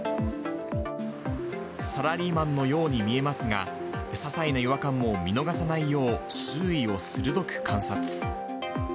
サラリーマンのように見えますが、ささいな違和感も見逃さないよう、周囲を鋭く観察。